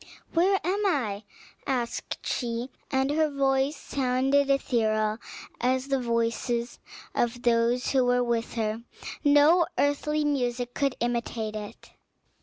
"Where am I?" asked she, and her voice sounded ethereal, as the voice of those who were with her; no earthly music could imitate it.